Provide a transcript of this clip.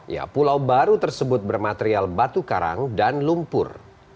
ya pulau baru tersebut bermaterial batu karang dan lumpur